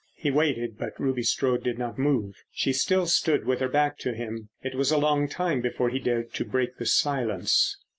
He waited, but Ruby Strode did not move. She still stood with her back to him. It was a long time before he dared break the silence.